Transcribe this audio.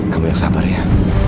kamu yang sabar ya